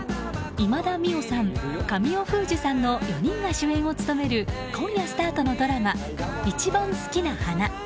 今田美桜さん、神尾楓珠さんの４人が主演を務める今夜スタートのドラマ「いちばんすきな花」。